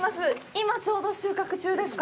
今ちょうど収穫中ですか？